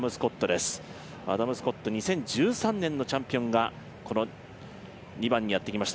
アダム・スコット、２０１３年のチャンピオンがこの２番にやってきました。